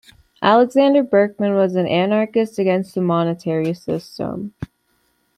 Alexander Berkman was an anarchist against the monetary system.